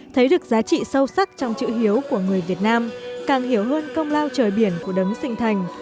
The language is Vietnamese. thấy được giá trị sâu sắc trong chữ hiếu của người việt nam càng hiểu hơn công lao trời biển của đấng sinh thành